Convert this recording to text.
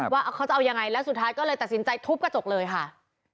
ว่าเขาจะเอายังไงแล้วสุดท้ายก็เลยตัดสินใจทุบกระจกเลยค่ะ